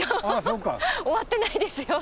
終わってないですよ。